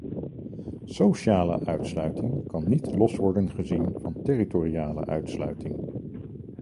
Sociale uitsluiting kan niet los worden gezien van territoriale uitsluiting.